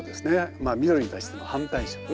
まあ緑に対しての反対色。